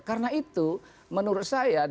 karena itu menurut saya